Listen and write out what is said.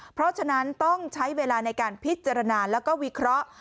เพราะฉะนั้นต้องใช้เวลาในการพิจารณาแล้วก็วิเคราะห์